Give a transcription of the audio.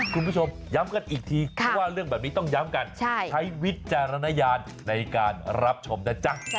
คุณผู้ชมย้ำกันอีกทีเพราะว่าเรื่องแบบนี้ต้องย้ำกันใช้วิจารณญาณในการรับชมนะจ๊ะ